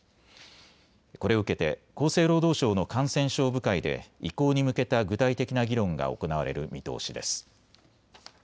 これを受けて厚生労働省の感染症部会で移行に向けた具体的な議論が行われる見通しです。